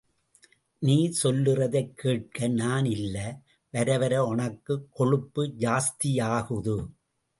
நீ சொல்றதைக் கேட்க நான் இல்ல... வரவர ஒனக்கு கொழுப்பு ஜாஸ்தியாகுது.